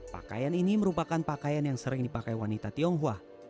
pakaian ini merupakan pakaian yang sering dipakai wanita tionghoa